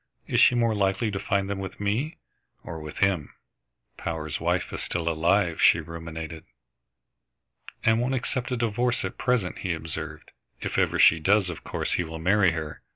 Is she more likely to find them with me or with him?" "Power's wife is still alive," she ruminated. "And won't accept a divorce at present," he observed. "If ever she does, of course he will marry her.